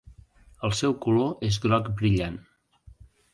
El seu color és groc brillant.